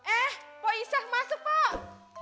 eh pak isah masuk bang